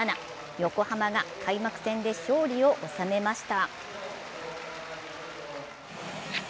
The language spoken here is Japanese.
横浜が開幕戦で勝利を収めました。